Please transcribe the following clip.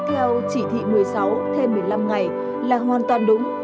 theo chỉ thị một mươi sáu thêm một mươi năm ngày là hoàn toàn đúng